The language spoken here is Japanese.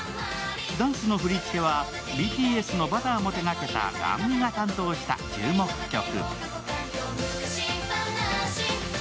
ダンスの振り付けはＢＴＳの「Ｂｕｔｔｅｒ」も手がけたＧＡＮＭＩが担当した注目曲。